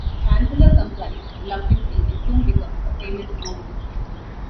Chancellor complies, reluctantly, and soon becomes a famous novelist.